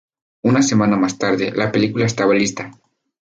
Una semana más tarde, la película estaba lista.